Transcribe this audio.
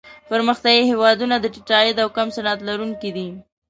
پرمختیايي هېوادونه د ټیټ عاید او کم صنعت لرونکي دي.